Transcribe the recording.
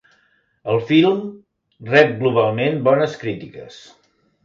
El film rep globalment bones crítiques.